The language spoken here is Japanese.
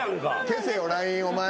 消せよＬＩＮＥお前！